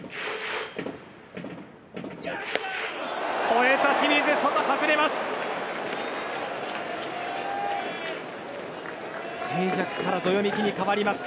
ほえた清水、外へ外れます。